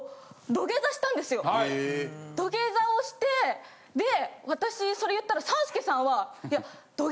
土下座をしてで私それ言ったら３助さんはいや。